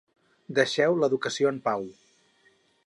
Deixeu l’educació en pau.